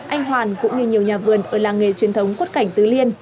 anh hoàn cũng như nhiều nhà vườn ở làng nghề truyền thống quất cảnh tứ liên